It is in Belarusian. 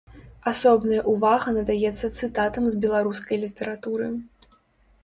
Асобная ўвага надаецца цытатам з беларускай літаратуры.